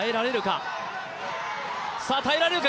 耐えられるか。